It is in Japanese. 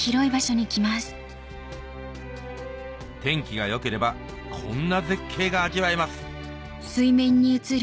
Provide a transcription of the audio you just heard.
天気が良ければこんな絶景が味わえます